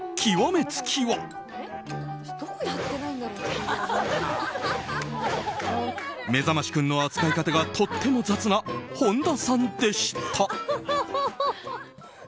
めざましくんの扱い方がとっても雑な本田さんでした。